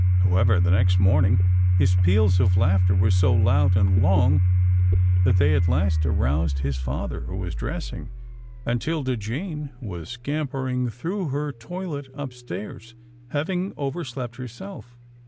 However, the next morning, his peals of laughter were so loud and long that they at last aroused his father who was dressing, and 'Tilda Jane who was scampering through her toilet upstairs, having over slept herself.